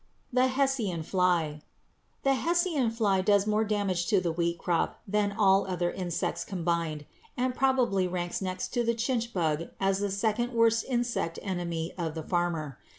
=The Hessian Fly.= The Hessian fly does more damage to the wheat crop than all other insects combined, and probably ranks next to the chinch bug as the second worst insect enemy of the farmer.